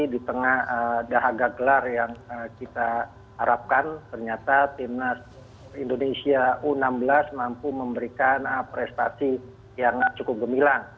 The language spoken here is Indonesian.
di tengah dahaga gelar yang kita harapkan ternyata timnas indonesia u enam belas mampu memberikan prestasi yang cukup gemilang